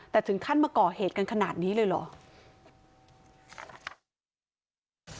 แต่ถึงขั้นมาก่อเหตุกันขนาดนี้เลยเหรอ